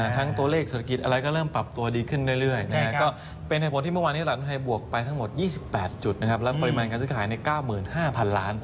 ตัวเลขเศรษฐกิจอะไรก็เริ่มปรับตัวดีขึ้นเรื่อยก็เป็นเหตุผลที่เมื่อวานนี้หลานไทยบวกไปทั้งหมด๒๘จุดนะครับและปริมาณการซื้อขายใน๙๕๐๐๐ล้าน